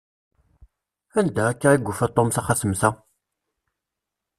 Anda akka i yufa Tom taxatemt-a?